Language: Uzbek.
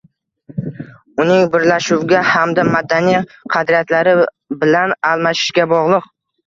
Uning birlashuvga hamda madaniy qadriyatlari bilan almashishga bog’liq.